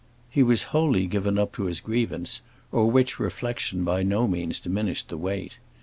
He was wholly given up to his grievance, of which reflection by no means diminished the weight.